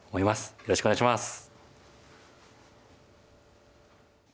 よろしくお願いします。